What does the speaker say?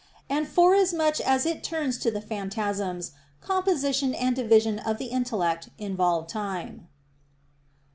And forasmuch as it turns to the phantasms, composition and division of the intellect involve time.